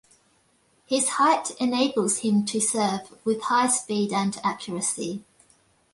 His height enables him to serve with high speed and accuracy.